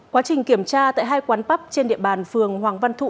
quá trình kiểm tra tại hai quán bắp trên địa bàn phường hoàng văn thụ